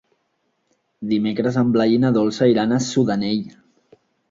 Dimecres en Blai i na Dolça iran a Sudanell.